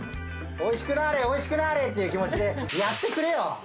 美味しくなれ、美味しくなれっていう気持ちでやってくれよ！